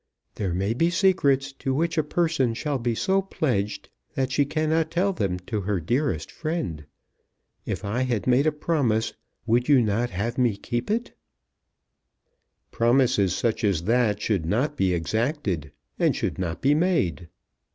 There may be secrets to which a person shall be so pledged that she cannot tell them to her dearest friend. If I had made a promise would you not have me keep it?" "Promises such as that should not be exacted, and should not be made."